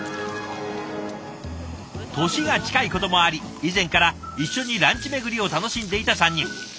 年が近いこともあり以前から一緒にランチ巡りを楽しんでいた３人。